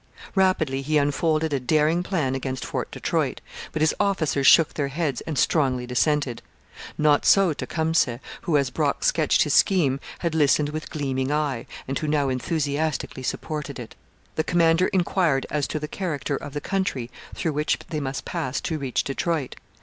Rapidly he unfolded a daring plan against Fort Detroit, but his officers shook their heads and strongly dissented. Not so Tecumseh, who, as Brock sketched his scheme, had listened with gleaming eye, and who now enthusiastically supported it. The commander inquired as to the character of the country through which they must pass to reach Detroit.